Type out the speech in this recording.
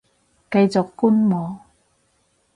繼續觀望